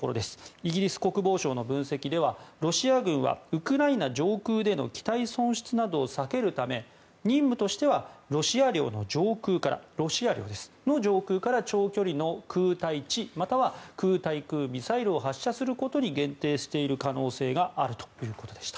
イギリス国防省の分析ではロシア軍はウクライナ上空での機体損失などを避けるため任務としてはロシア領の上空から長距離の空対地または空対空ミサイルを発射することに限定している可能性があるということでした。